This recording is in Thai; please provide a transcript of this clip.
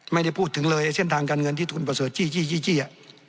ไม่ได้พูดถึงเลยเส้นทางการเงินที่ทุนประเสริฐจี้